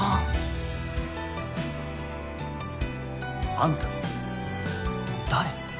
あんた誰？